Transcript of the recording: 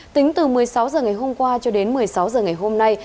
tính từ một mươi sáu h ngày hôm qua cho đến một mươi sáu h ngày hôm nay